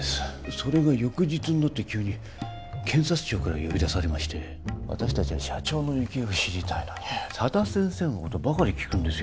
それが翌日になって急に検察庁から呼び出されまして私達は社長の行方を知りたいのに佐田先生のことばかり聞くんです